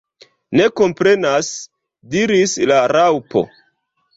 "Ne komprenas," diris la Raŭpo.